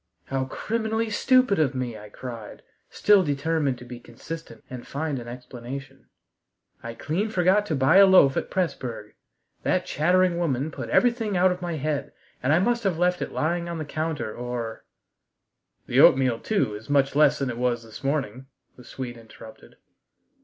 "How criminally stupid of me!" I cried, still determined to be consistent and find an explanation. "I clean forgot to buy a loaf at Pressburg. That chattering woman put everything out of my head, and I must have left it lying on the counter or " "The oatmeal, too, is much less than it was this morning," the Swede interrupted.